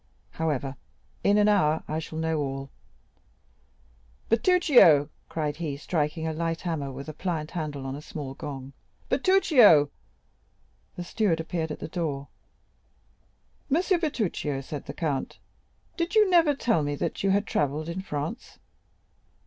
However, in an hour I shall know all. Bertuccio!" cried he, striking a light hammer with a pliant handle on a small gong. "Bertuccio!" The steward appeared at the door. "Monsieur Bertuccio," said the count, "did you never tell me that you had travelled in France?"